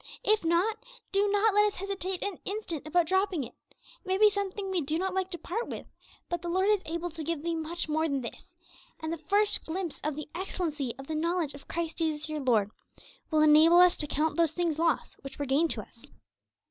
If not, do not let us hesitate an instant about dropping it. It may be something we do not like to part with; but the Lord is able to give thee much more than this, and the first glimpse of the excellency of the knowledge of Christ Jesus your Lord will enable us to count those things loss which were gain to us.